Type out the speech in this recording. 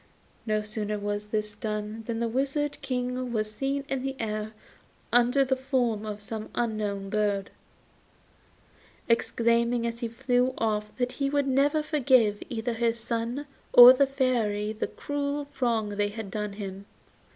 No sooner was this done than the Wizard King was seen in the air under the form of some unknown bird, exclaiming as he flew off that he would never forgive either his son or the Fairy the cruel wrong they had done him.